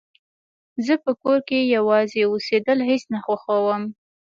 زه په کور کې يوازې اوسيدل هيڅ نه خوښوم